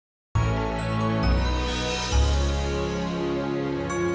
nggak ada siapa toko